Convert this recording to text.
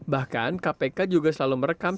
bahkan kpk juga selalu merekam